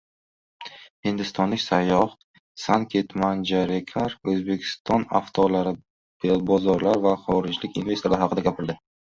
Hindistonlik sayyoh Sanket Manjarekar Oʻzbekiston avtolari, bozorlar va xorijlik investorlar haqida gapirdi